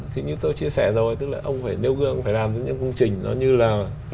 thì như tôi chia sẻ rồi tức là ông phải nêu gương phải làm những cái công trình nó như là